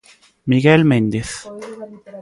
Miguel Méndez.